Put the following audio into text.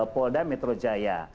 polda metro jaya